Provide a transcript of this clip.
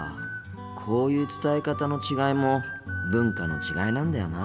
こういう伝え方の違いも文化の違いなんだよな。